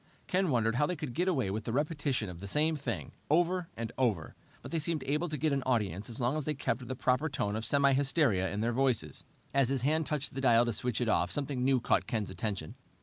Ken wondered how they could get away with a repetition of the same thing, over and over, but they seemed able to get an audience as long as they kept the proper tone of semi hysteria in their voices. As his hand touched the dial to switch it off, something new caught Ken's attention.